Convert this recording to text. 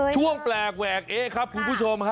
ช่วงแปลกแหวกเอ๊ะครับคุณผู้ชมฮะ